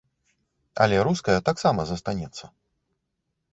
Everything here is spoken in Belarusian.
Але руская таксама застанецца.